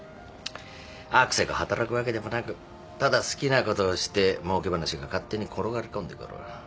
あくせく働くわけでもなくただ好きなことをしてもうけ話が勝手に転がり込んでくる。